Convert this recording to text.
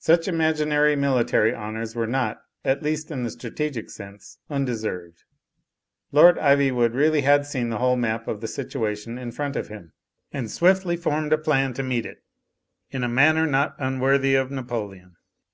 Such imaginary military honours were not, at least in the strategic sense, undeserved. Lord Ivywood really had seen the whole map of the situation in front of him, and swiftly formed a plan to meet it, in a manner not unworthy of Napoleon.